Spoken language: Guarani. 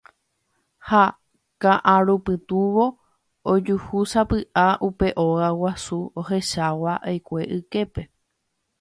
Ha ka'arupytũvo ojuhúsapy'a upe óga guasu ohechava'ekue iképe.